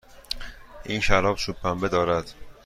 این شراب چوب پنبه دارد.